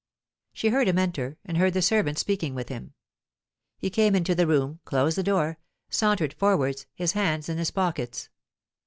She heard him enter, and heard the servant speaking with him. He came into the room, closed the door, sauntered forwards, his hands in his pockets.